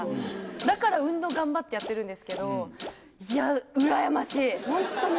だから運動頑張ってやってるんですけど、羨ましい。